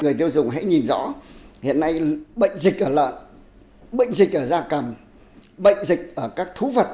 người tiêu dùng hãy nhìn rõ hiện nay bệnh dịch ở lợn bệnh dịch ở da cầm bệnh dịch ở các thú vật